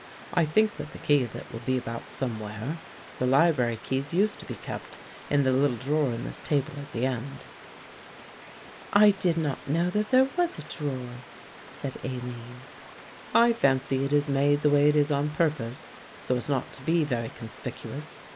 I think that the key of it will be about somewhere. The library keys used to be kept in the little drawer in this table at the end." "I did not know that there was a drawer," said Aline. "I fancy it is made the way it is on purpose, so as not to be very conspicuous.